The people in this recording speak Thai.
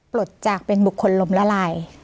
ปลดจากเป็นบุคคลลมละลาย